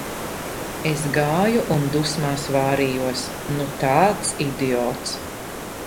Es gāju un dusmās vārījos, nu tāds idiots.